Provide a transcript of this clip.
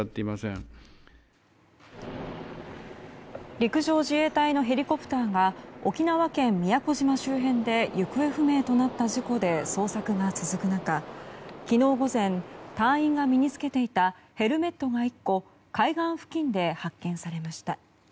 陸上自衛隊のヘリコプターが沖縄県宮古島周辺で行方不明となった事故で捜索が続く中、昨日午前隊員が身に付けていたヘルメットが１個海岸付近で発見されました。